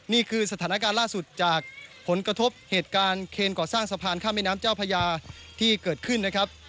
นี่คือสถานการณ์ล่าสุดจากผลกระทบเหตุการณ์เคนก่อสร้างสะพานข้ามแม่น้ำเจ้าพญาที่เกิดขึ้นนะครับ